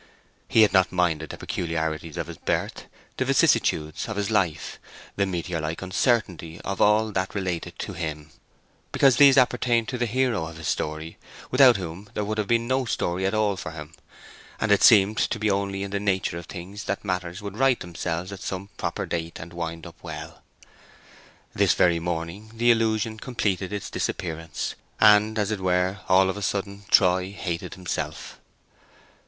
He had not minded the peculiarities of his birth, the vicissitudes of his life, the meteor like uncertainty of all that related to him, because these appertained to the hero of his story, without whom there would have been no story at all for him; and it seemed to be only in the nature of things that matters would right themselves at some proper date and wind up well. This very morning the illusion completed its disappearance, and, as it were, all of a sudden, Troy hated himself.